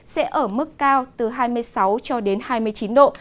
sẽ ở mức cao từ hai mươi sáu cho đến hai mươi chín độ